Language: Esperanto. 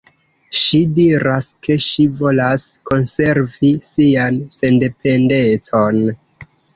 Ŝi diras, ke ŝi volas konservi sian sendependecon.